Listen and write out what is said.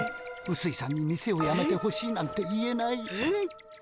うすいさんに店をやめてほしいなんて言えない。